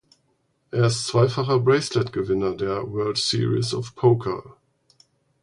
Er ist zweifacher Braceletgewinner der "World Series of Poker".